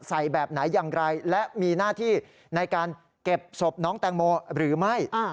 แบบไหนอย่างไรและมีหน้าที่ในการเก็บศพน้องแตงโมหรือไม่